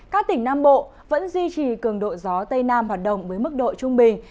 các tỉnh nam bộ vẫn duy trì cường độ gió tây nam hoạt động với mức độ trung bình